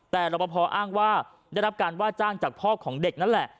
แต่รับประพออ้างว่าได้รับการว่าจ้างจากพ่อของเด็กนั่นแหละ